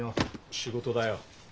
仕事だよ。